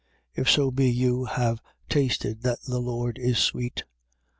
If so be you have tasted that the Lord is sweet.